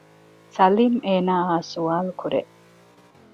ސަލީމް އޭނާއާ ސުވާލު ކުރޭ